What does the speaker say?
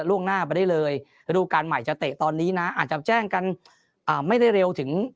ล่วงหน้าไปได้เลยฤดูการใหม่จะเตะตอนนี้นะอาจจะแจ้งกันไม่ได้เร็วถึง